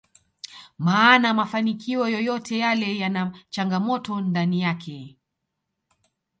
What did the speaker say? maana mafanikio yoyote yale yana changamoto ndani yake